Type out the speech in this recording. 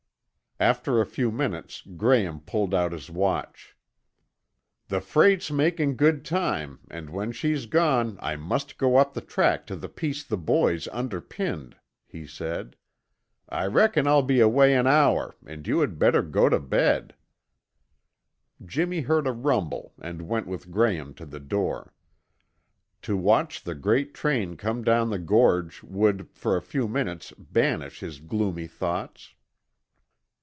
After a few minutes Graham pulled out his watch. "The freight's making good time and when she's gone I must go up the track to the piece the boys underpinned," he said. "I reckon I'll be away an hour and you had better go to bed." Jimmy heard a rumble and went with Graham to the door. To watch the great train come down the gorge would for a few minutes banish his gloomy thoughts.